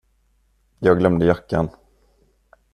Jag glömde jackan.